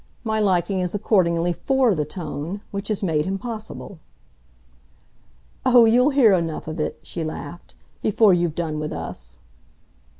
My liking is accordingly FOR the tone which has made him possible." "Oh, you'll hear enough of it," she laughed, "before you've done with us."